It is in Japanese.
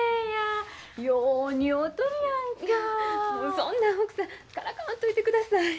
そんな奥さんからかわんといてください。